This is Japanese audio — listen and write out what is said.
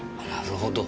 なるほど。